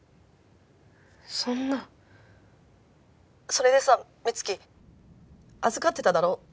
そんな☎それでさ美月預かってただろ？